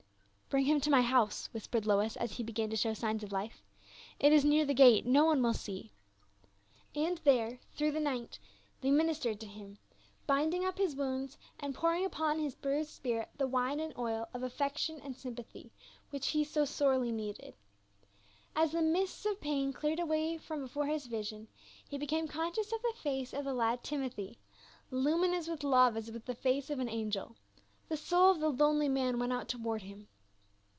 " Bring him to my house," whispered Lois, as he began to show signs of life. " It is near the gate ; no one will see." And there through the night they ministered to him, binding up his wounds, and pouring upon his bruised spirit the wine and oil of affection and sympathy, which he so sorely needed. As the mists of pain cleared away from before his vision, he became conscious of the face of the lad Timothy, luminous with love as the face of an angel ; the soul of the lonely man went out toward him.